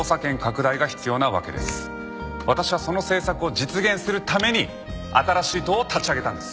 私はその政策を実現するために新しい党を立ち上げたんです。